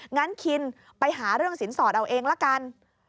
งั้นคินไปหาเรื่องสินสอดเอาเองละกัน